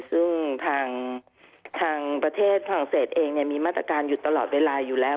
ซึ่งทางประเทศฝรั่งเศสเองมีมาตรการอยู่ตลอดเวลาอยู่แล้ว